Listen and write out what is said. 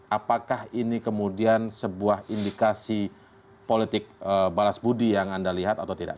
apakah ini kemudian sebuah indikasi politik balas budi yang anda lihat atau tidak